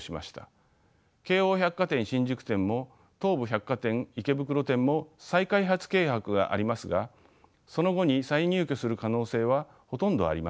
京王百貨店新宿店も東武百貨店池袋店も再開発計画がありますがその後に再入居する可能性はほとんどありません。